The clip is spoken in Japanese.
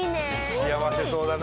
幸せそうだな。